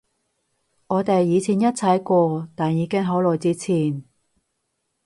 我哋以前一齊過，但已經好耐之前